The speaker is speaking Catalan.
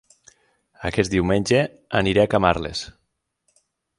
Aquest diumenge aniré a Camarles